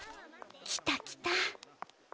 来た来た。